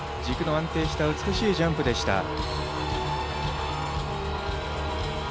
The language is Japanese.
軸の安定した美しいジャンプでした。